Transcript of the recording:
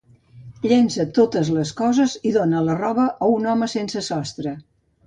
Llença totes les coses i dóna la roba a un home sensesostre.